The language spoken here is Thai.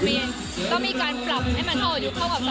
ก็มีการปรับให้มันเท่าอายุเข้ากับสมัยนี่อะไรอย่างนี้